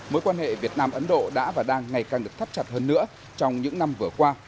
mối quan hệ việt nam ấn độ đã và đang ngày càng được thắt chặt hơn nữa trong những năm vừa qua